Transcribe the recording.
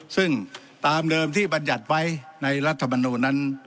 ซึ่งตามเดิมที่บรรยัติไว้ในรัฐมนูลนั้น